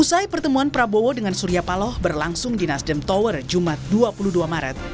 usai pertemuan prabowo dengan surya paloh berlangsung di nasdem tower jumat dua puluh dua maret